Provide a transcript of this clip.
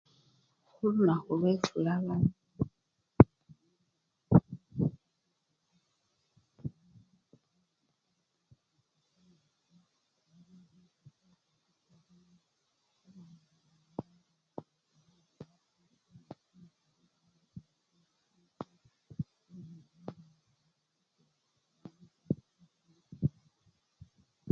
Khulunakhu lwefula.